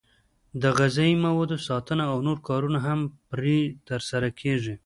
د غذایي موادو ساتنه او نور کارونه هم پرې ترسره کېږي.